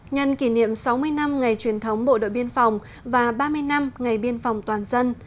nhân kỷ niệm sáu mươi năm ngày truyền thống bộ đội biên phòng và ba mươi năm ngày biên phòng toàn dân